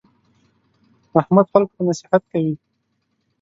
احمد خلکو ته نصیحت کوي.